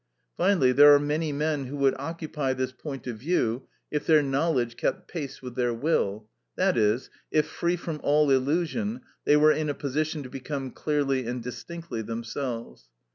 Finally, there are many men who would occupy this point of view if their knowledge kept pace with their will, i.e., if, free from all illusion, they were in a position to become clearly and distinctly themselves.